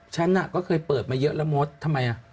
ฉันก็เคยเปิดมาเยอะแล้วมดทำไม